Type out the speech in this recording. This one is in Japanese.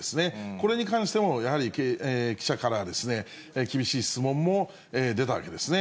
これに関しても、やはり記者からは厳しい質問も出たわけですね。